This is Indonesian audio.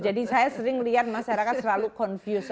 jadi saya sering lihat masyarakat selalu confused